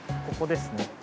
ここですね。